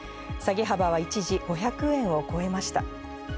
下げ幅は一時５００円を超えました。